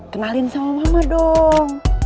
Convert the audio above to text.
kenalin sama mama dong